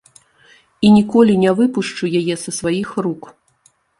І ніколі не выпушчу яе са сваіх рук.